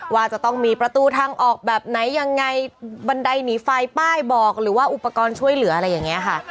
ว่าจะต้องมีประตูทางออกแบบไหนยังไงบันไดหนีไฟป้ายบอกหรือว่าอุปกรณ์ช่วยเหลืออะไรอย่างนี้ค่ะ